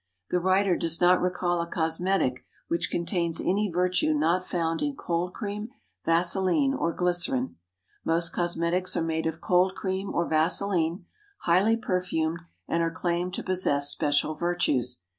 The writer does not recall a cosmetic which contains any virtue not found in cold cream, vaseline, or glycerine. Most cosmetics are made of cold cream or vaseline, highly perfumed, and are claimed to possess special virtues.